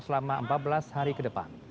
selama empat belas hari ke depan